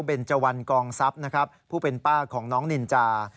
เป็นเจวันกองทรัพย์นะครับผู้เป็นป้าของน้องนินจา